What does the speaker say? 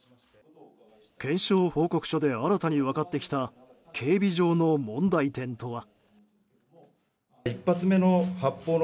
検証報告書で新たに分かってきた警備上の問題点とは。